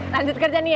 lanjut kerja nih ya